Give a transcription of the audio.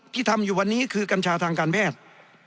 ที่ทำอยู่วันนี้คือกัญชาทางการแพทย์